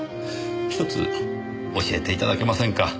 １つ教えて頂けませんか？